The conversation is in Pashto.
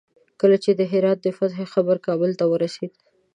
کله چې د هرات د فتح خبر کابل ته ورسېد.